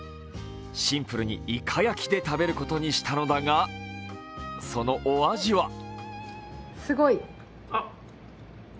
シンプルにいか焼きで食べることにしたのだが、そのお味は？